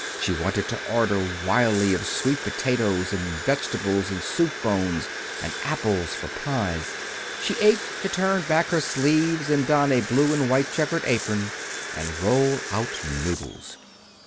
She wanted to order wildly of sweet potatoes and vegetables, and soup bones, and apples for pies. She ached to turn back her sleeves and don a blue and white checked apron and roll out noodles.